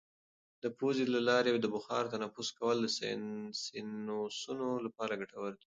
د پوزې له لارې د بخار تنفس کول د سینوسونو لپاره ګټور دي.